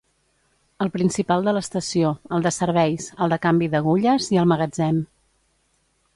El principal de l'estació, el de serveis, el de canvi d'agulles i el magatzem.